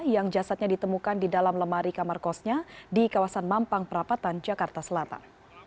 yang jasadnya ditemukan di dalam lemari kamar kosnya di kawasan mampang perapatan jakarta selatan